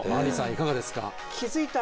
いかがですか？